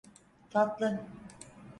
Tatlı…